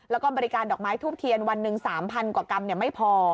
แล้วก็บริการดอกไม้ทูบเทียนวันหนึ่ง๓๐๐กว่ากรัมไม่พอ